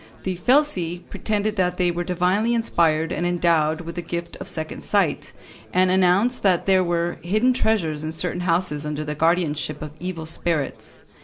The felsi pretended that they were divinely inspired and endowed with the gift of second sight, and announced that there were hidden treasures in certain houses under the guardianship of evil spirits.